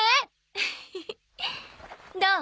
ウフフどう？